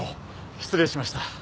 失礼しました。